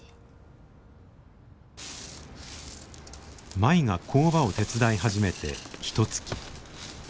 舞が工場を手伝い始めてひとつき。